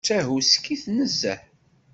D tahuskit nezzeh.